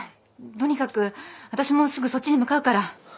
とにかくわたしもすぐそっちに向かうから。